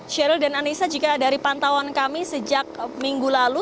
sheryl dan anissa jika dari pantauan kami sejak minggu lalu